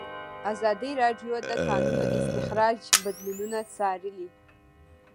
ازادي راډیو د د کانونو استخراج بدلونونه څارلي.